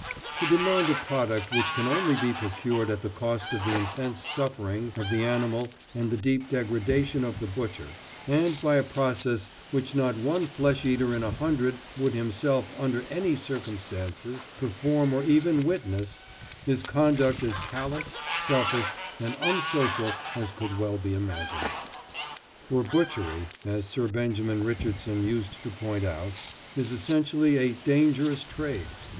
To demand a product which can only be procured at the cost of the intense suffering of the animal and the deep degradation of the butcher, and by a process which not one flesh eater in a hundred would himself under any circumstances perform or even witness, is conduct as callous, selfish, and unsocial as could well be imagined. For butchery, as Sir Benjamin Richardson used to point out, is essentially a "dangerous trade."